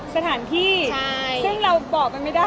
สถานที่ซึ่งเราบอกมันไม่ได้